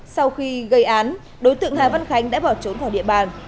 sau khi gây án đối tượng hà văn khánh đã bỏ trốn khỏi địa bàn